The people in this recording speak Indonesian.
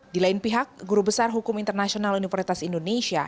di lain pihak guru besar hukum internasional universitas indonesia